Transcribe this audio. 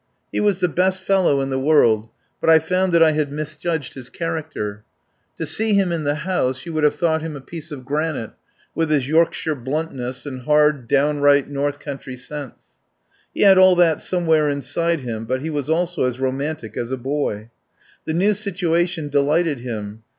He was the best fellow in the world, but I found that I had misjudged his character. To see him in the House, you would have thought him a piece of granite, with his Yorkshire bluntness and hard, downright, north country sense. He had all that somewhere inside him, but he was also as romantic as a boy. The new situation delighted him.